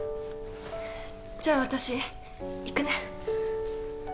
じゃあ私行くね